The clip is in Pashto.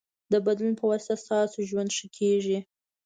د بدلون پواسطه ستاسو ژوند ښه کېږي.